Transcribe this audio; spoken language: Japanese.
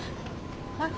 はい？